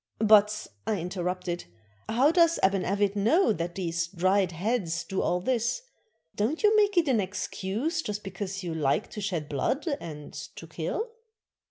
"But," I interrupted, "how does Aban A\'it know that these dried heads do all this? Don't you make it an excuse just because you like to shed blood and to kill?"